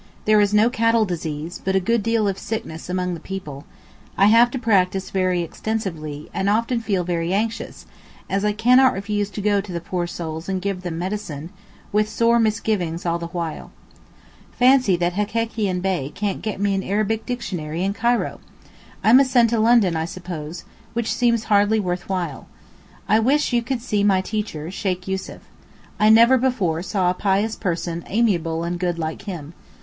There is no cattle disease, but a good deal of sickness among the people; I have to practise very extensively, and often feel very anxious, as I cannot refuse to go to the poor souls and give them medicine, with sore misgivings all the while. Fancy that Hekekian Bey can't get me an Arabic dictionary in Cairo. I must send to London, I suppose, which seems hardly worth while. I wish you could see my teacher, Sheykh Yussuf. I never before saw a pious person amiable and good like him.